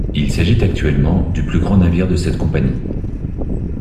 Il s'agit actuellement du plus grand navire de cette compagnie.